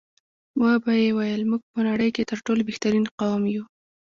ویل به یې موږ په نړۍ کې تر ټولو بهترین قوم یو.